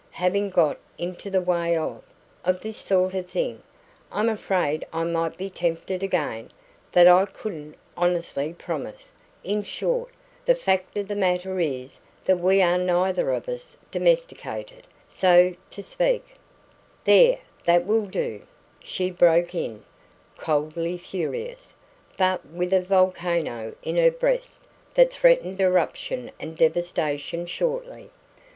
"Having got into the way of of this sort of thing I'm afraid I might be tempted again that I couldn't honestly promise in short, the fact of the matter is that we are neither of us domesticated, so to speak " "There that will do" she broke in, coldly furious, but with a volcano in her breast that threatened eruption and devastation shortly.